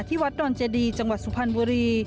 วัดดอนเจดีจังหวัดสุพรรณบุรี